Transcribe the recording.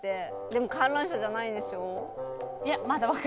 でも、観覧車じゃないでしょ。